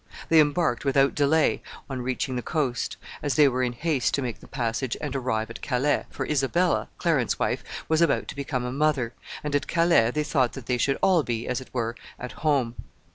They embarked without delay on reaching the coast, as they were in haste to make the passage and arrive at Calais, for Isabella, Clarence's wife, was about to become a mother, and at Calais they thought that they should all be, as it were, at home.